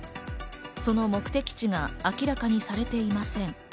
その目的地が明らかにされていません。